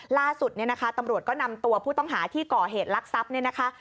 ล่าสุดเนี่ยนะคะตำรวจก็นำตัวผู้ต้องหาที่ก่อเหตุลักษัพเนี่ยนะคะ